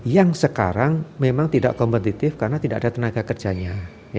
yang sekarang memang tidak kompetitif karena tidak ada tenaga kerjanya